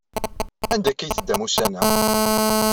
Anda akka ay teddam ussan-a?